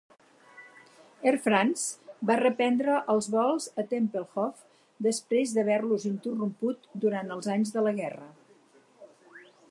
Air France va reprendre els vols a Tempelhof després d'haver-los interromput durant els anys de la guerra.